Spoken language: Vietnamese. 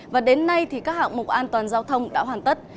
và đến nay các hạng mục an toàn giao thông đã hoàn tất